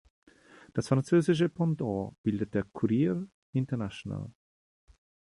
Das französische Pendant bildet der Courrier international.